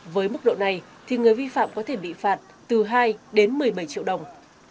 với mức độ này thì người vi phạm có thể bị phạt từ hai đến một mươi bảy triệu đồng